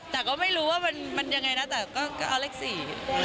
แต่ก็ไม่รู้ว่ามันมันยังไงนะแต่ก็เอาเลขสี่